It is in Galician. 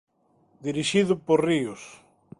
Dirixido por Ríos.